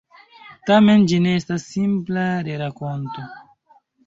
Tamen ĝi ne estas simpla rerakonto.